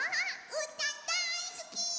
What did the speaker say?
うーたんだいすき！